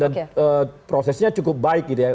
dan prosesnya cukup baik gitu ya